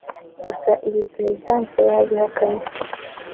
gusa ibi Perezidanse yabihakanye